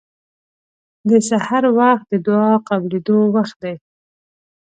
د سحر وخت د دعا قبلېدو وخت دی.